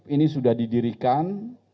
ini sudah didirikan